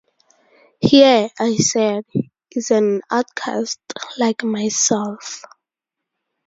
'Here,' I said, 'is an outcast like myself'.